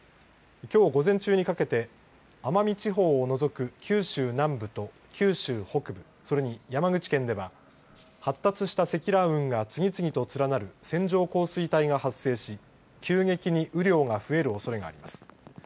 きょう午前中にかけて奄美地方を除く九州南部と九州北部、それに山口県では発達した積乱雲が次々と連なる線状降水帯が発生し急激に雨量が増えるおそれがあります。